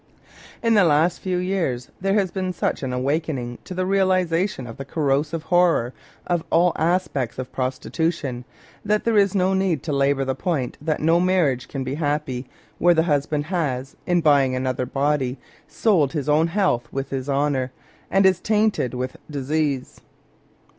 In the last few years there has been such an awaken ing to the realisation of the corrosive horror of all aspects of prostitution that there is no need to labour the point that no marriage can be happy where the husband has, in buying another body, sold his own health with his honour, and is tainted with disease.